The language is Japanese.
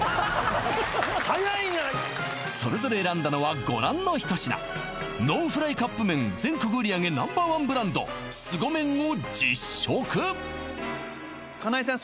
それぞれ選んだのはご覧の一品ノンフライカップ麺全国売上Ｎｏ．１ブランド凄麺を実食かなでさん